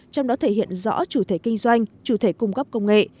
trong đó thể hiện rõ chủ thể kinh doanh chủ thể cung cấp công nghệ